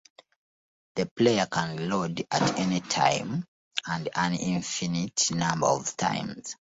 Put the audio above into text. The player can reload at any time and an infinite number of times.